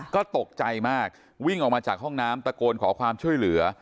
ก็ตกใจมากวิ่งออกมาจากห้องน้ำตะโกนขอความขอบคุณนะครับ